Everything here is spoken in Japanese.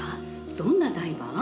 どんなダイバー？